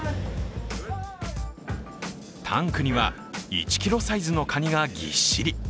タンクには１ｋｇサイズのカニがぎっしり。